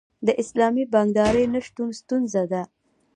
د اسلامي بانکدارۍ نشتون ستونزه ده.